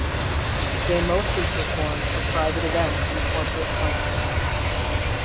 They mostly perform for private events and corporate functions.